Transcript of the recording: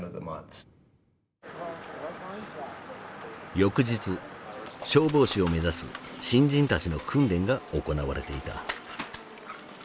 翌日消防士を目指す新人たちの訓練が行われていた。